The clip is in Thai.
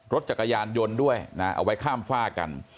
รถจักรยานยนต์ด้วยนะเอาไว้ข้ามฝ้ากัน